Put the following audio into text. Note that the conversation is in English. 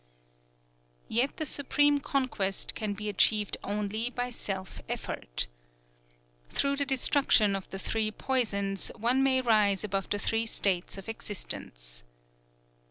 '_" Yet the supreme conquest can be achieved only by self effort: "_Through the destruction of the Three Poisons one may rise above the Three States of Existence.